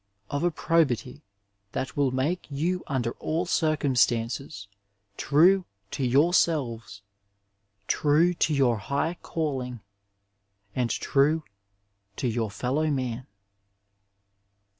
Of a probity, that will make you under all circum stances true to yourselves, true to your high oaUing, and true to your fellow man.